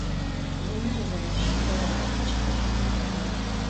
Vuner zereşıteu ağeç'ejjığ.